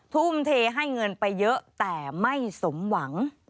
ทุ่มเทให้เงินไปเยอะแต่ไม่สมหวัง